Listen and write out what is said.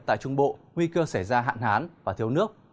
tại trung bộ nguy cơ xảy ra hạn hán và thiếu nước